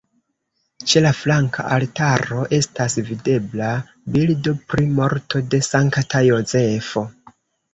Ĉe la flanka altaro estas videbla bildo pri morto de Sankta Jozefo.